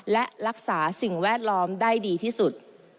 และรักษาสิ่งแวดล้อมได้ดีที่สุด